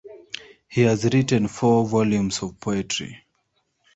He has written four volumes of poetry.